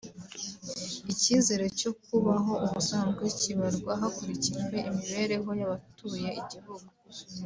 Icyizere cyo kubaho ubusanzwe kibarwa hakurikijwe imibereho y’abatuye igihugu